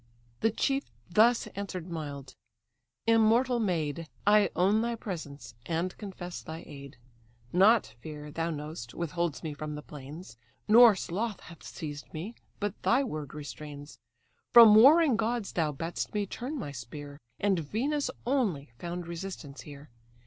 The chief thus answered mild: "Immortal maid! I own thy presence, and confess thy aid. Not fear, thou know'st, withholds me from the plains, Nor sloth hath seized me, but thy word restrains: From warring gods thou bad'st me turn my spear, And Venus only found resistance here.